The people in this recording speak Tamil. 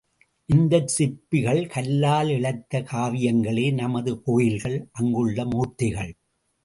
இந்தச் சிற்பிகள் கல்லால் இழைத்த காவியங்களே நமது கோயில்கள், அங்குள்ள மூர்த்திகள்.